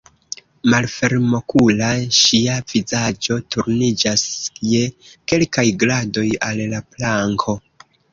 Malfermokula, ŝia vizaĝo turniĝas je kelkaj gradoj al la planko.